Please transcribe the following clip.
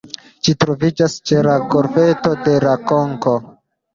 Ĝi troviĝas ĉe la Golfeto de La Konko.